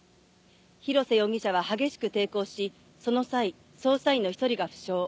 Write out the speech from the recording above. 広瀬容疑者は激しく抵抗しその際捜査員の１人が負傷。